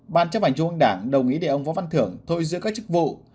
ban chấp hành trung ương đảng đồng ý để ông võ văn thưởng thôi giữ các chức vụ